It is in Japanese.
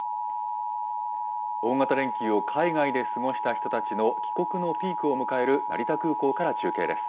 大型連休を海外で過ごした人たちの帰国のピークを迎える成田空港から中継です。